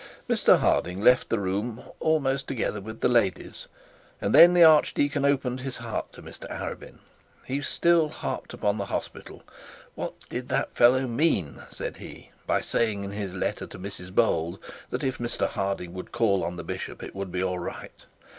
Mr Harding left the room almost together with the ladies, and the archdeacon opened his heart to Mr Arabin. He still harped upon the hospital. 'What did that fellow mean,' said he, 'by saying in his letter to Mrs Bold, that if Mr Harding would call on the bishop it would be all right?